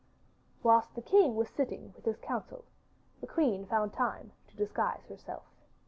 Whilst the king was sitting with his council, the queen found time to disguise herself.